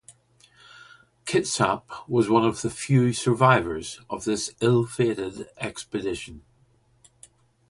Kitsap was one of the few survivors of this ill-fated expedition.